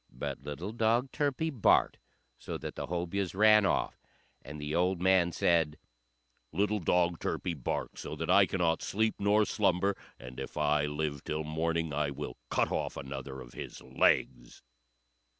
But little dog Turpie barked so that the Hobyahs ran off; and the old man said, "Little dog Turpie barks so that I cannot sleep nor slumber, and if I live till morning I will cut off another of his legs."